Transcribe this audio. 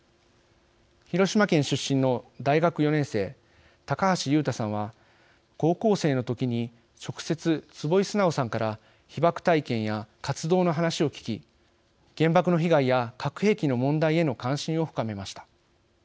広島県出身の大学４年生高橋悠太さんは、高校生の時に直接、坪井直さんから被爆体験や活動の話を聞き原爆の被害や核兵器の問題への関心を深めました。